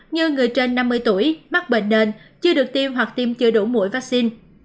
như người trên năm mươi tuổi mắc bệnh nền chưa được tiêm hoặc tiêm chưa đủ mũi vaccine